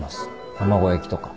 卵焼きとか。